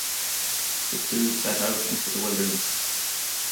The two set out into the wilderness.